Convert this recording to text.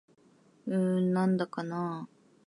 うーん、なんだかなぁ